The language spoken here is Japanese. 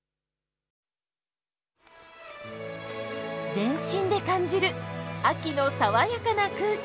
全身で感じる秋の爽やかな空気。